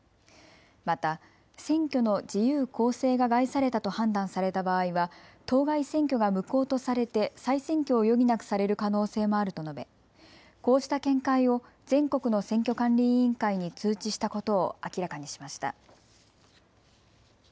また選挙の自由・公正が害されたと判断された場合は当該選挙が無効とされて再選挙を余儀なくされる可能性もあると述べこうした見解を全国の選挙管理委員会に通知したことを明らかにしました。